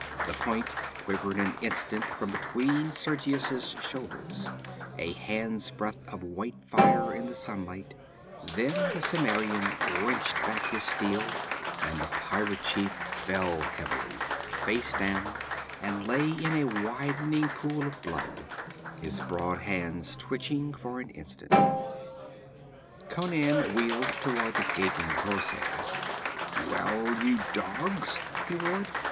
The point quivered an instant from between Sergius's shoulders, a hand's breadth of white fire in the sunlight; then the Cimmerian wrenched back his steel and the pirate chief fell heavily, face down, and lay in a widening pool of blood, his broad hands twitching for an instant. Conan wheeled toward the gaping corsairs. 'Well, you dogs!' he roared.